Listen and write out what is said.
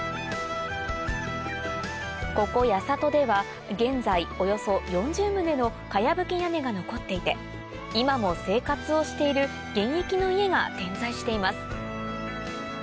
ここ八郷では現在およそ４０棟の茅ぶき屋根が残っていて今も生活をしている現役の家が点在しています